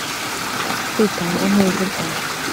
kwitanga ntizigama